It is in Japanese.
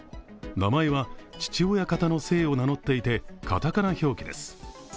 名前は父親方の姓を名乗っていて、かたかな表記です。